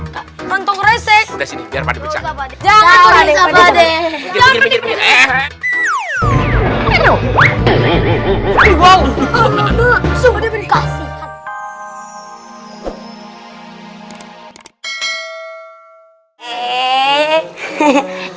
maka bentuk resep dari sini biar berjalan jalan